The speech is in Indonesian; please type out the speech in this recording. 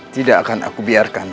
tidak akan aku biarkan